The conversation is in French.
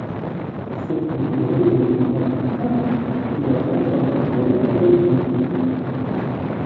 Cette durée est d'autant plus courte que la température moyenne est élevée.